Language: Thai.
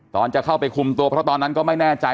จะเข้าไปคุมตัวเพราะตอนนั้นก็ไม่แน่ใจ